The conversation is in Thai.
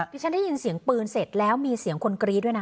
ที่ฉันได้ยินเสียงปืนเสร็จแล้วมีเสียงคนกรี๊ดด้วยนะ